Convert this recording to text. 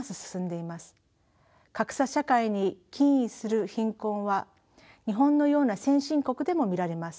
格差社会に起因する貧困は日本のような先進国でも見られます。